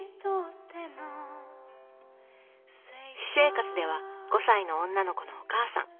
私生活では５歳の女の子のお母さん。